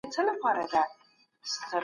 سیاستوالو به د دوستۍ پیغامونه رسول.